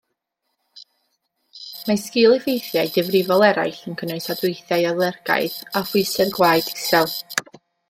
Mae sgil-effeithiau difrifol eraill yn cynnwys adweithiau alergaidd a phwysedd gwaed isel.